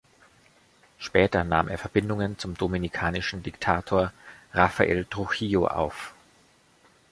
Später nahm er Verbindungen zum dominikanischen Diktator Rafael Trujillo auf.